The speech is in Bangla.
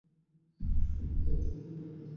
হিমুর প্রতি রয়েছে তার অগাধ বিশ্বাস।